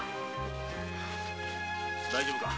大丈夫か？